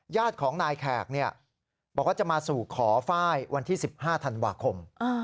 ญาติของนายแขกบอกว่าจะมาสู่ขอไฟล์วันที่๑๕ธันวาคม